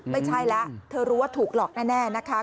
ไม่ใช่แล้วเธอรู้ว่าถูกหลอกแน่นะคะ